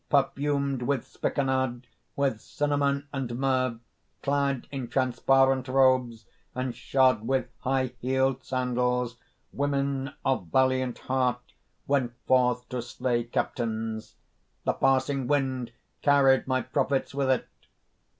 "Perfumed with spikenard, with cinnamon and myrrh, clad in transparent robes, and shod with high heeled sandals, women of valiant heart went forth to slay captains. The passing wind carried my prophets with it.